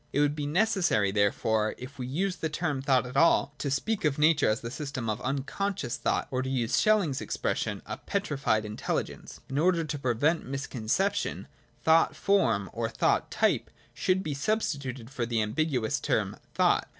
It would be necessary, therefore, if we use the term thought at all, to speak of nature as the system of unconscious thought, or, to use SchelUng's expression, a petrified intelligence. And in order to prevent misconception, thought form or thought type should be substituted for the ambiguous term thought.